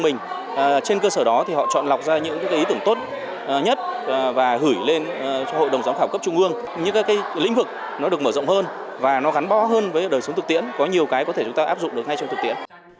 những lĩnh vực được mở rộng hơn và gắn bó hơn với đời sống thực tiễn có nhiều cái có thể chúng ta áp dụng được ngay trong thực tiễn